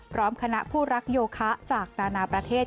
พร้อมคณะผู้รักโยคะจากนานาประเทศ